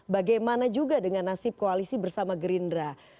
bagaimana juga dengan nasib koalisi bersama gerindra